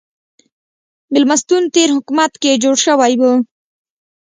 مېلمستون تېر حکومت کې جوړ شوی و.